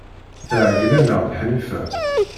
Tɛeyyen-aneɣ-d Ḥnifa.